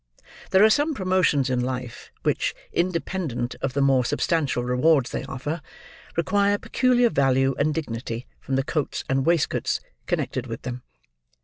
There are some promotions in life, which, independent of the more substantial rewards they offer, require peculiar value and dignity from the coats and waistcoats connected with them.